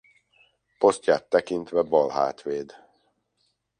Posztját tekintve balhátvéd.